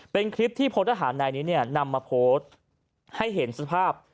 เป็นคลิปที่พลทหารนายนี้เนี่ยนำมาโพสต์ให้เห็นสภาพ